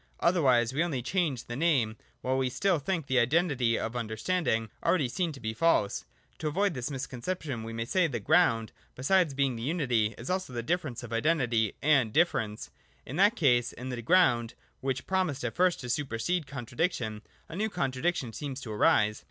Otherwise we only change the name, while we still think the identity (of understanding) already seen to be false. To avoid this misconception we may say that the ground, besides being the unity, is also the difference of identity and difference. In that case in the ground, which promised at first to supersede contradiction, a new contradiction seems to arise.